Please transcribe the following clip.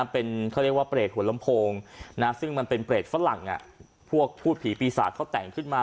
เป็นเขาเรียกว่าเปรตหัวลำโพงซึ่งมันเป็นเปรตฝรั่งพวกพูดผีปีศาจเขาแต่งขึ้นมา